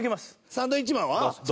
サンドウィッチマンは？